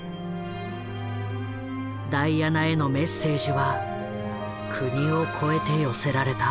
ダイアナへのメッセージは国をこえて寄せられた。